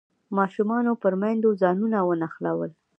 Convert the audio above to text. ماشومانو پر میندو ځانونه ونښلول.